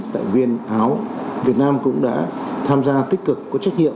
tại viên áo việt nam cũng đã tham gia tích cực có trách nhiệm